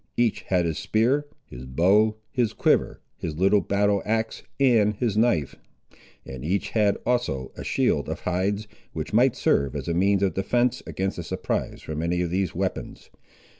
Each had his spear, his bow, his quiver, his little battle axe, and his knife; and each had, also, a shield of hides, which might serve as a means of defence against a surprise from any of these weapons.